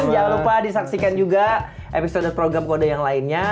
jangan lupa disaksikan juga episode program kode yang lainnya